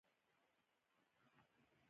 یو سل او اووه اویایمه پوښتنه د بودیجې عامل دی.